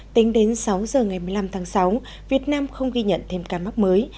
tính đến sáu giờ ngày một mươi năm tháng sáu việt nam không ghi nhận thêm ca mắc mới